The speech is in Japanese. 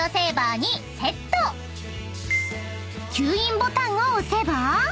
［吸引ボタンを押せば］